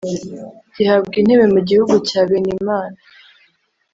gihabwa intebe mu gihugu cya Benimana